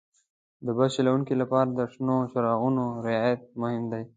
د بس چلوونکي لپاره د شنو څراغونو رعایت مهم دی.